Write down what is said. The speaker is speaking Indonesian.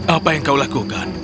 apa yang kau lakukan